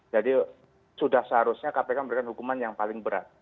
jadi sudah seharusnya kpk memberikan hukuman yang paling berat